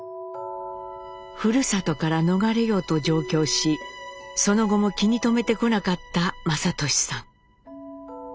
ふるさとから逃れようと上京しその後も気に留めてこなかった雅俊さん。